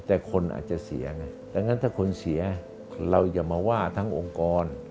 แต่คนอาจจะเสียไงดังนั้นถ้าคนเสียเราอย่ามาว่าทั้งองค์กร